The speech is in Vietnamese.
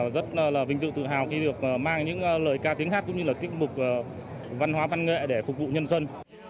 rất là vinh dự tự hào khi được mang những lời ca tiếng hát cũng như là tiết mục văn hóa văn nghệ để phục vụ nhân dân